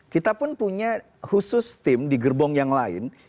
kita pun punya khusus tim di gerbong yang lain